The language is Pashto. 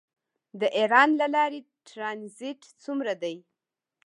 د ایران له لارې ټرانزیټ څومره دی؟